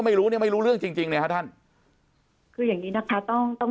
ไม่รู้เนี่ยไม่รู้เรื่องจริงจริงเนี่ยฮะท่านคืออย่างนี้นะคะต้องต้อง